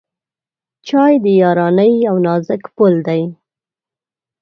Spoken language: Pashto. چای د یارانۍ یو نازک پُل دی.